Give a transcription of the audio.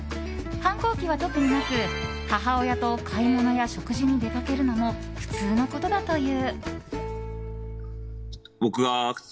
反抗期は特になく、母親と買い物や食事に出かけるのも普通のことだという。